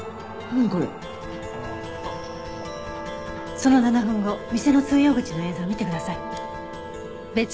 その７分後店の通用口の映像を見てください。